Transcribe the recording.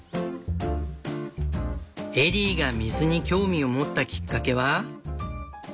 エリーが水に興味を持ったきっかけは。